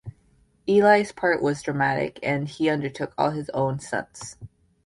Ellis' part was dramatic and he undertook all his own stunts.